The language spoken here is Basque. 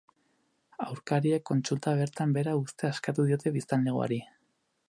Aurkariek kontsulta bertan behera uztea eskatu diote biztanlegoari.